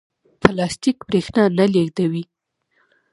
پلاستیک برېښنا نه لېږدوي.